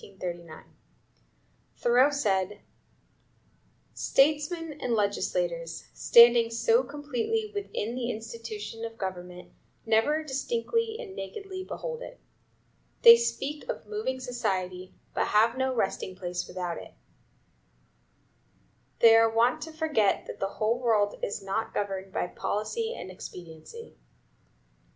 Thoreau said: "Statesmen and legislators, standing so completely within the institution (of government) never distinctly and nakedly behold it. They speak of moving society, but have no resting place without it. They are wont to forget that the world is not governed by policy and expediency.